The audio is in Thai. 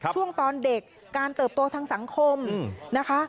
ช่วงตอนเด็กการเติบโตทางสังคมนะคะ